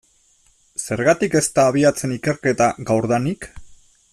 Zergatik ez da abiatzen ikerketa gaurdanik?